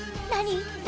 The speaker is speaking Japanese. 何？